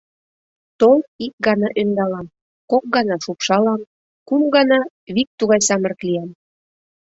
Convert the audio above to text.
Тол, ик гана ӧндалам, кок гана шупшалам, кум гана... вик тугай самырык лиям!